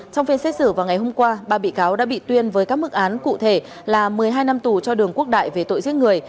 trong phiên xét xử vào ngày hôm qua ba bị cáo đã bị tuyên với các mức án cụ thể là một mươi hai năm tù cho đường quốc đại về tội giết người